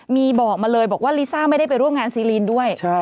มีบอกมาเลยบอกว่าลิซ่าไม่ได้ไปร่วมงานซีรีนด้วย